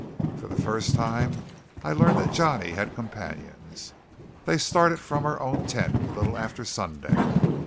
For the first time I learned that Johnny had companions. They started from our own tent, a little after sundown.